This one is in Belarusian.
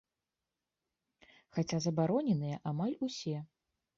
Хаця забароненыя амаль усе.